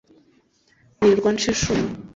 nirirwa nca inshuro